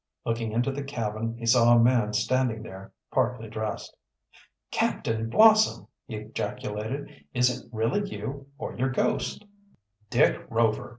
Looking into the cabin he saw a man standing there, partly dressed. "Captain Blossom!" he ejaculated. "Is it really you or your ghost?" "Dick Rover!"